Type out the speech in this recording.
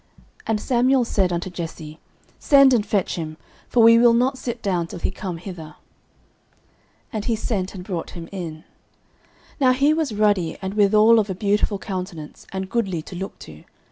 And Samuel said unto Jesse, Send and fetch him: for we will not sit down till he come hither. 09:016:012 And he sent, and brought him in. Now he was ruddy, and withal of a beautiful countenance, and goodly to look to.